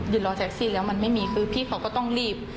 รอแท็กซี่แล้วมันไม่มีคือพี่เขาก็ต้องรีบ